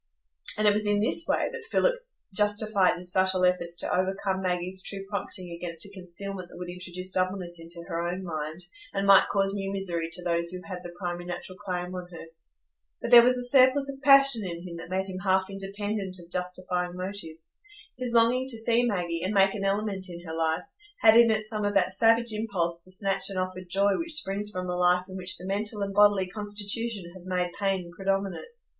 And it was in this way that Philip justified his subtle efforts to overcome Maggie's true prompting against a concealment that would introduce doubleness into her own mind, and might cause new misery to those who had the primary natural claim on her. But there was a surplus of passion in him that made him half independent of justifying motives. His longing to see Maggie, and make an element in her life, had in it some of that savage impulse to snatch an offered joy which springs from a life in which the mental and bodily constitution have made pain predominate.